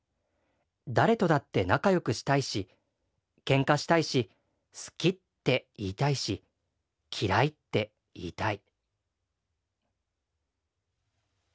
誰とだって仲良くしたいしけんかしたいし好きって言いたいし嫌いって言いたい」。